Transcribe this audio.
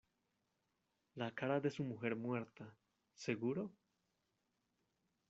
la cara de su mujer muerta. ¿ seguro?